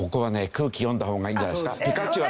空気読んだ方がいいんじゃないですか？